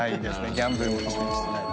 ギャンブルも特にしてないです。